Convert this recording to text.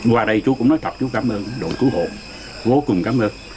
qua đây chú cũng nói tạm chú cảm ơn đội cứu hộ vô cùng cảm ơn